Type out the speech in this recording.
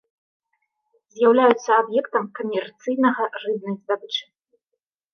З'яўляюцца аб'ектам камерцыйнага рыбнай здабычы.